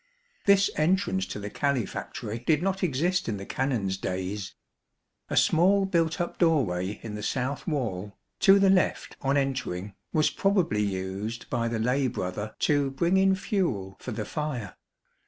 This entrance to the calefactory did not exist in the Canons' days. A small built up doorway in the south wall, to the left on entering, was probably used by the lay brother to bring in fuel for the fire.